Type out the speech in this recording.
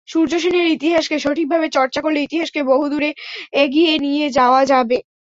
সূর্যসেনের ইতিহাসকে সঠিকভাবে চর্চা করলে ইতিহাসকে বহুদূর এগিয়ে নিয়ে যাওয়া যাবে।